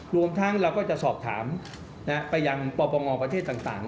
รวมทั้งเราก็จะสอบถามไปยังปปงประเทศต่าง